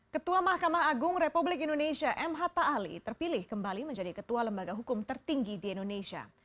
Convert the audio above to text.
ketua mahkamah agung republik indonesia m hatta ali terpilih kembali menjadi ketua lembaga hukum tertinggi di indonesia